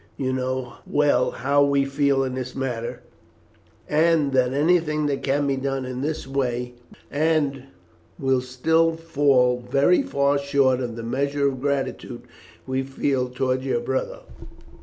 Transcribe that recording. You know well how we feel in the matter, and that anything that can be done in this way will still fall very far short of the measure of gratitude we feel towards your brother."